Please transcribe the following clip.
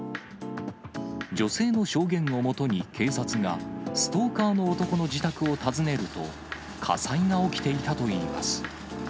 女性の証言をもとに警察がストーカーの男の自宅を訪ねると、火災が起きていたといいます。